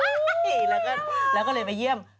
อุ๊ยเอลล่าแล้วก็เลยไปเยี่ยม